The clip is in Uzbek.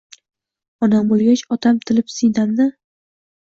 Onam o’lgach otam tilib siynamni